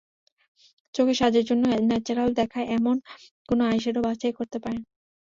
চোখের সাজের ক্ষেত্রে ন্যাচারাল দেখায় এমন কোনো আইশ্যাডো বাছাই করতে পারেন।